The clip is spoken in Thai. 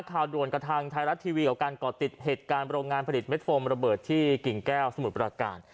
ข่าวด่วนกับทางไทยรัฐทีวีกับการก่อติดเหตุการณ์โรงงานผลิตเม็ดโฟมระเบิดที่กิ่งแก้วสมุทรประการ